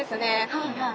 はいはい。